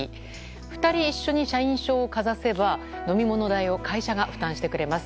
２人一緒に社員証をかざせば飲み物代を会社が負担してくれます。